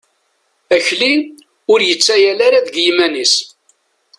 Akli, ur yettayal ara deg yiman-is.